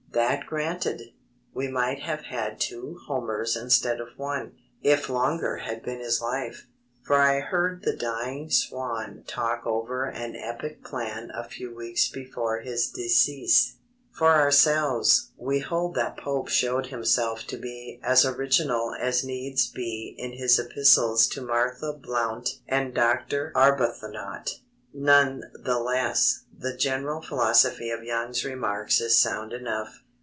That granted, we might have had two Homers instead of one, if longer had been his life; for I heard the dying swan talk over an epic plan a few weeks before his decease. For ourselves, we hold that Pope showed himself to be as original as needs be in his epistles to Martha Blount and Dr. Arbuthnot. None the less, the general philosophy of Young's remarks is sound enough.